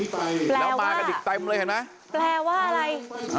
แปลว่าแปลว่าอะไร